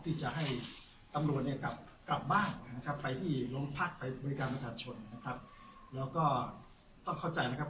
ที่จะให้ตำรวจเนี่ยกลับกลับบ้านนะครับไปที่โรงพรรคไปบริการประชาชนนะครับ